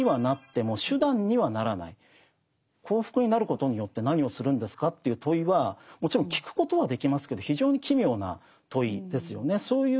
幸福になることによって何をするんですかという問いはもちろん聞くことはできますけど非常に奇妙な問いですよね。